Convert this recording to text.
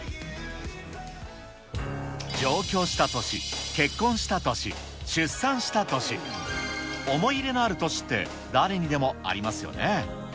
上京した年、結婚した年、出産した年、思い入れのある年って誰にでもありますよね。